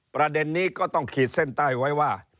ประเด็นนี้ก็ต้องขีดเส้นใต้ไว้ว่า